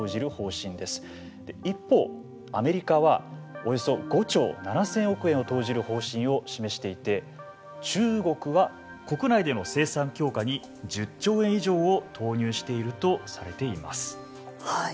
一方、アメリカはおよそ５兆７０００億円を投じる方針を示していて中国は国内での生産強化に１０兆円以上を投入しているとされています。